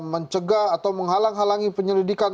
mencegah atau menghalang halangi penyelidikan